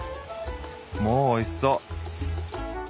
もうおいしそう！